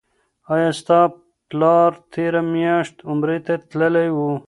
آیا ستا پلار تیره میاشت عمرې ته تللی و؟